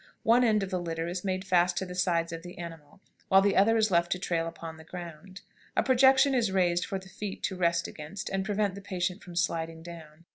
One end of the litter is made fast to the sides of the animal, while the other end is left to trail upon the ground. A projection is raised for the feet to rest against and prevent the patient from sliding down.